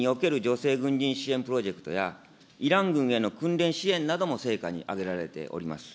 せい軍人支援プロジェクトや、イラン軍への訓練支援なども成果にあげられております。